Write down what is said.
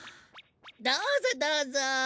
どうぞどうぞ。